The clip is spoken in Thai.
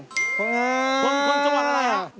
คนจังหวัดอะไรครับ